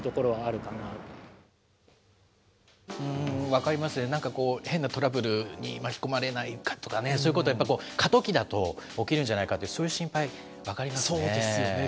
分かりますね、なんか変なトラブルに巻き込まれないかとかね、そういうことをやっぱり過渡期だと起きるんじゃないか、そういう心配、分かりますそうですよね。